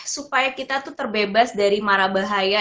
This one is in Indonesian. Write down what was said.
supaya kita tuh terbebas dari marah bahaya